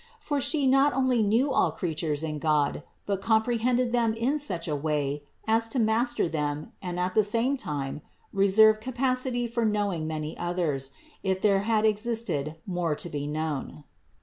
For She not only knew all creatures in God, but compre hended them in such a way as to master them and at the same time reserve capacity for knowing many others, if there had existed more to be known.